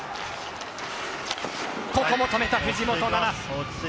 ここも止めた、藤本那菜。